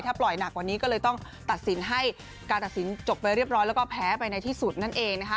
ปล่อยหนักกว่านี้ก็เลยต้องตัดสินให้การตัดสินจบไปเรียบร้อยแล้วก็แพ้ไปในที่สุดนั่นเองนะคะ